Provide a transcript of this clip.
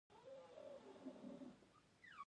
يـو ليونی نـاست دی.